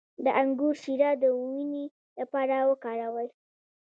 د انګور شیره د وینې لپاره وکاروئ